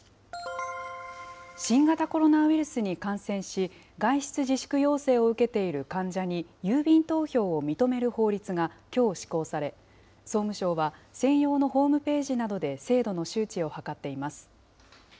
新型コロナウイルスに感染し、外出自粛要請を受けている患者に郵便投票を認める法律が、きょう施行され、総務省は専用のホームページなどで制度の周知を図っています。